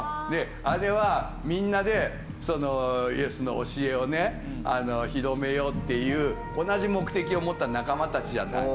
あれはみんなでそのイエスの教えを広めようっていう同じ目的を持った仲間たちじゃない。